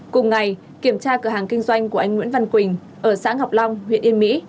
cùng ngày kiểm tra cửa hàng kinh doanh của anh nguyễn văn quỳnh ở xã ngọc long huyện yên mỹ